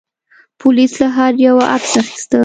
پولیس له هر یوه عکس اخیسته.